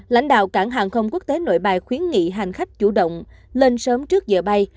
lãnh đạo cảng hàng không quốc tế nội bài khuyến nghị hành khách chủ động lên sớm trước giờ bay